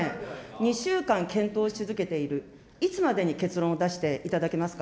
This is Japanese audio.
２週間検討し続けている、いつまでに結論を出していただけますか。